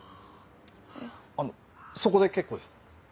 あのそこで結構です。